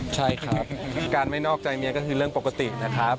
ใช่ครับการไม่นอกใจเมียก็คือเรื่องปกตินะครับ